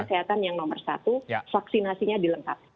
protokol kesehatan yang nomor satu vaksinasinya dilaporkan